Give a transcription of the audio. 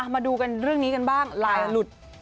มาดูกันเรื่องนี้กันบ้างไลน์หลุด